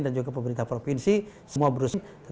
dan juga pemerintah provinsi semua berusaha